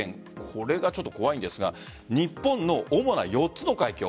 これがちょっと怖いんですが日本の主な４つの海峡